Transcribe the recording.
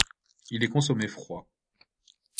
Il est consommé froid.